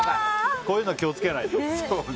こういうのは気を付けないと。